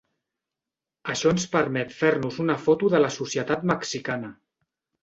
Això ens permet fer-nos una foto de la societat mexicana.